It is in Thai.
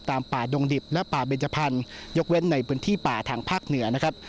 ป่าดงดิบและป่าเบนจพันธุ์ยกเว้นในพื้นที่ป่าทางภาคเหนือนะครับ